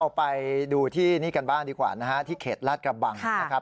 ไปดูที่นี่กันบ้างดีกว่านะฮะที่เขตลาดกระบังนะครับ